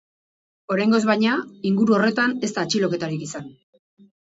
Oraingoz, baina, inguru horretan ez da atxiloketarik izan.